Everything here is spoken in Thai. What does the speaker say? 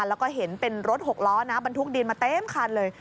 แล้วก็เห็นเป็นรถหกล้อนะบรรทุกดินมาเต็มคันเลย